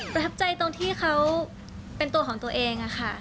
ประทับใจตรงที่เขาเป็นตัวของตัวเองค่ะ